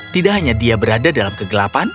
tidak hanya dia berada dalam kegelapan